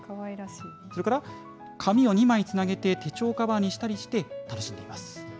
それから、紙を２枚つなげて、手帳カバーにしたりして楽しんでいます。